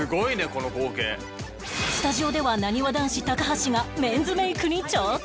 スタジオではなにわ男子高橋がメンズメイクに挑戦！